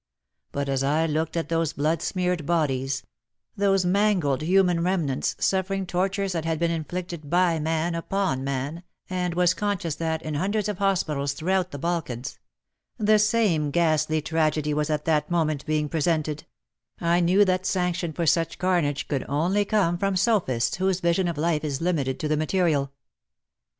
But as I looked at those blood smeared bodies — those mangled human remnants, suffering tortures that had been inflicted by man tipon man, and was conscious that, in hundreds of hospitals throughout the Balkans, the same ghastly tragedy was at that moment being presented — I knew that sanction for such carnage could only come from sophists whose vision of life is limited to the material.